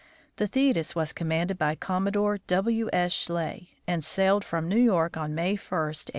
The Thetis was commanded by Commodore W. S. Schley, and sailed from New York on May 1, 1884.